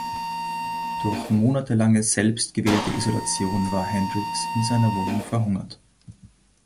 Durch monatelange selbst gewählte Isolation war Hendriks in seiner Wohnung verhungert.